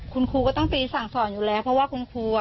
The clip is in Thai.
คุณครูก็ต้องไปสั่งสอนอยู่แล้วเพราะว่าคุณครูอ่ะ